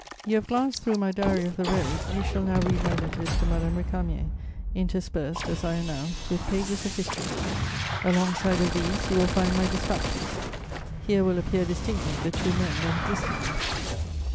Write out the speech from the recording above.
You have glanced through my diary of the road, you shall now read my letters to Madame Récamier, interspersed, as I announced, with pages of history. Alongside of these, you will find my dispatches. Here will appear distinctly the two men that exist in me.